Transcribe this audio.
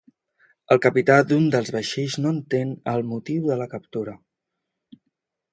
El capità d'un dels vaixells no entén el motiu de la captura